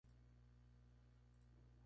Es un actor estadounidense.